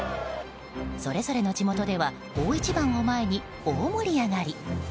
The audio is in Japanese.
それぞれの地元では大一番を前に大盛り上がり。